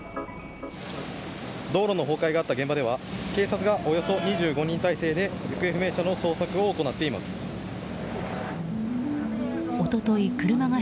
道路の崩壊があった現場では警察がおよそ２５人態勢で行方不明者の捜索を行っています。